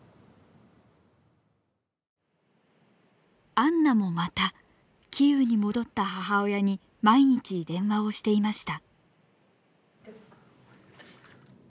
アンナもまたキーウに戻った母親に毎日電話をしていました。